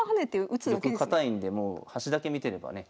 玉堅いんでもう端だけ見てればね